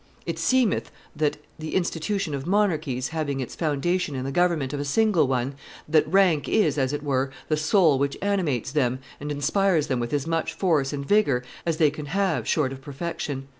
"It seemeth that, the institution of monarchies having its foundation in the government of a single one, that rank is as it were the soul which animates them and inspires them with as much force and vigor as they can have short of perfection.